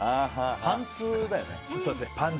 パンツだよね。